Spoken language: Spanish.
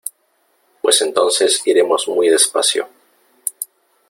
pues entonces iremos muy despacio ,